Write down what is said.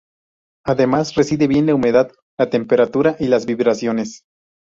Además resiste bien la humedad, la temperatura y las vibraciones.